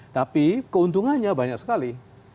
tapi keuntungannya banyak sekali